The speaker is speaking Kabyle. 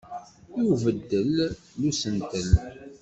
I ubeddel n usentel.